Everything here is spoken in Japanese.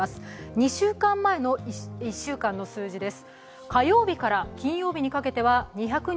２週間前の１週間の数字です。